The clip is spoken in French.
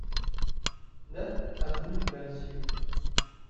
neuf avenue du Malzieu